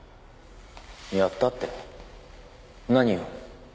やったって何を？